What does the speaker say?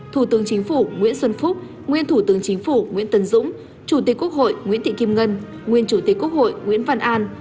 thủ tướng chính phủ nguyễn xuân phúc nguyên thủ tướng chính phủ nguyễn tân dũng chủ tịch quốc hội nguyễn thị kim ngân nguyên chủ tịch quốc hội nguyễn văn an